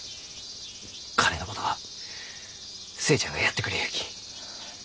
金のことは寿恵ちゃんがやってくれゆうき。